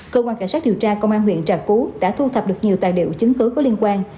cơ quan cảnh sát điều tra công an huyện trà cú đã thu thập được nhiều tài liệu chứng cứ có liên quan